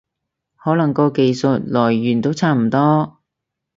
可能個技術來源都差唔多